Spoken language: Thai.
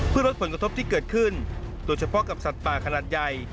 เพื่อลดผลกระทบที่เกิดขึ้นโดยเฉพาะกับสัตว์ป่าขนาดใหญ่